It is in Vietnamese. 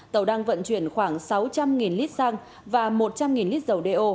tàu đang vận chuyển khoảng sáu trăm linh lít xăng và một trăm linh lít dầu đeo